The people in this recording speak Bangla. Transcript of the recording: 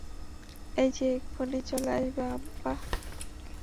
এই যে এখনই চলে আসবে, আব্বা!